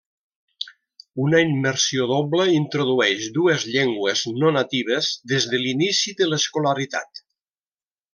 Una immersió doble introdueix dues llengües no natives des de l'inici de l'escolaritat.